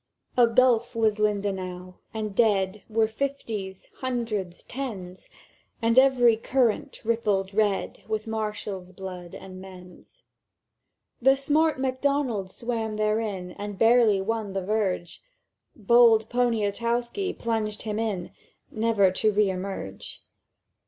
"A gulf was Lindenau; and dead Were fifties, hundreds, tens; And every current rippled red With Marshal's blood and men's. "The smart Macdonald swam therein, And barely won the verge; Bold Poniatowski plunged him in Never to re emerge.